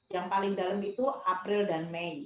yang paling dalam itu april dan mei